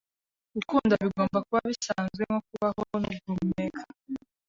Gukunda bigomba kuba bisanzwe nko kubaho no guhumeka